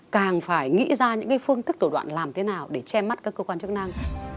càng phải nghĩ ra những phương thức tổ đoạn làm thế nào để che mắt các cơ quan chức năng